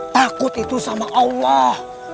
takut itu sama allah